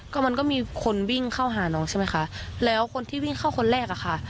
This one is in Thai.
ก็มันก็มีคนวิ่งเข้าหาน้องใช่ไหมคะแล้วคนที่วิ่งเข้าคนแรกอะค่ะ